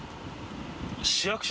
市役所。